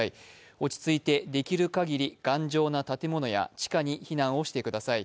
落ち着いてできる限り頑丈な建物や地下に避難をしてください。